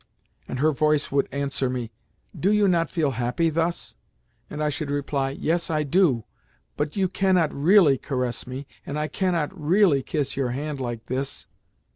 And her voice would answer me, "Do you not feel happy thus?" and I should reply, "Yes, I do, but you cannot really caress me, and I cannot really kiss your hand like this."